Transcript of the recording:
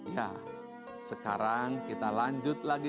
ya sekarang kita lanjut lagi